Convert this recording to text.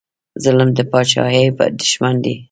ظلم د پاچاهۍ دښمن دی